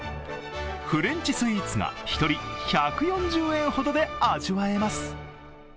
フレンチスイーツが１人１４０円ほどで味わえます。